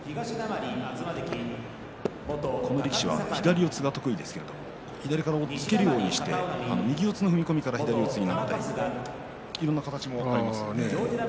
この力士は左四つが得意ですけれども左から押っつけるようにして右四つの踏み込みから左四つになったりするいろいろな形があります。